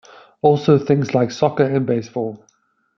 Also things like Soccer and Baseball.